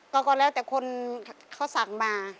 ก็แล้วแต่คนเขาสั่งมา